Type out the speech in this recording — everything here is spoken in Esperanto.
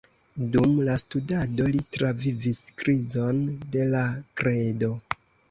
Dum la studado li travivis krizon de la kredo.